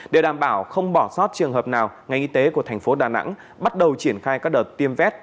để đảm bảo không bỏ sót trường hợp nào ngành y tế của tp hcm bắt đầu triển khai các đợt tiêm vét